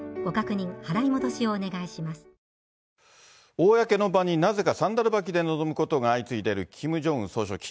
公の場になぜかサンダル履きで臨むことが相次いでるキム・ジョンウン総書記。